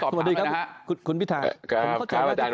ขอเข้าใจว่าคุณพิทาพยายามบอกคุณพรรคพูมนี้